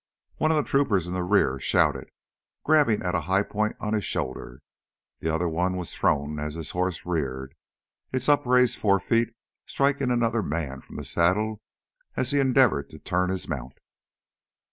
One of the troopers in the rear shouted, grabbing at a point high on his shoulder, the other one was thrown as his horse reared, its upraised forefeet striking another man from the saddle as he endeavored to turn his mount.